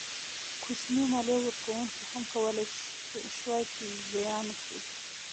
کوچنیو مالیه ورکوونکو هم کولای شوای چې زیان کړي.